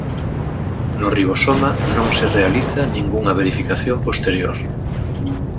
No ribosoma non se realiza ningunha verificación posterior.